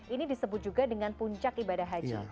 ini disebut juga dengan puncak ibadah haji